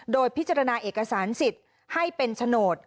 โดยพิจารณาเอกสารสิทธิ์ให้เป็นโฉนด